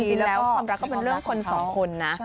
จริงแล้วความรักก็เป็นเรื่องคนสองคนนะ